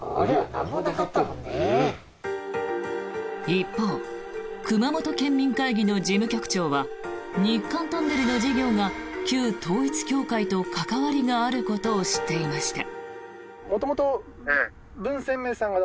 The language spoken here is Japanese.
一方熊本県民会議の事務局長は日韓トンネルの事業が旧統一教会と関わりがあることを知っていました。